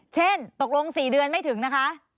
เช่นตกลง๔เดือนไม่ถึงนะคะ